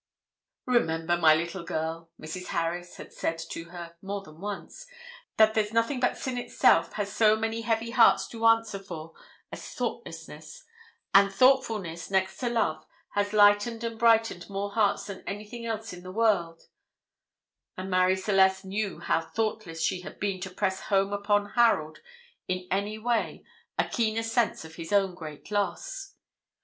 "Remember, my little girl," Mrs. Harris had said to her more than once, "that there's nothing but sin itself has so many heavy hearts to answer for as thoughtlessness; and thoughtfulness, next to love, has lightened and brightened more hearts than anything else in the world and Marie Celeste knew how thoughtless she had been to press home upon Harold in any way a keener sense of his own great loss.